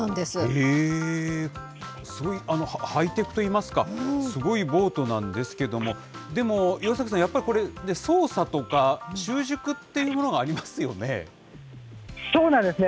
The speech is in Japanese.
へー、すごいハイテクといいますか、すごいボートなんですけども、でも、岩崎さん、やっぱりこれ、操作とか習熟っていうものがありますよね。